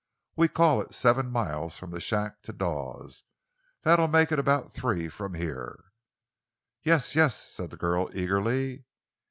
We call it seven miles from the shack to Dawes. That'd make it about three from here." "Yes, yes," said the girl eagerly.